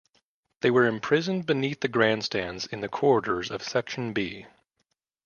They were imprisoned beneath the grandstands in the corridors of Section B.